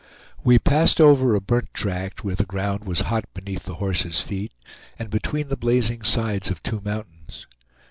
We passed over a burnt tract where the ground was hot beneath the horses' feet, and between the blazing sides of two mountains.